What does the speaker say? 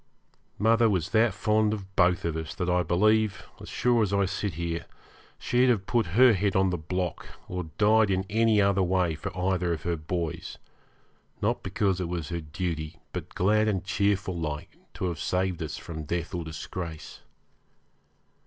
Mother was that fond of both of us that I believe, as sure as I sit here, she'd have put her head on the block, or died in any other way for either of her boys, not because it was her duty, but glad and cheerful like, to have saved us from death or disgrace.